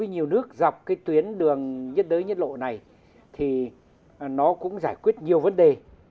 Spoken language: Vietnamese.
nhiều nước dọc cái tuyến đường nhất đới nhất lộ này thì nó cũng giải quyết nhiều vấn đề